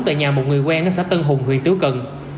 tại nhà một người quen ở xã tân hùng huyện tứ cần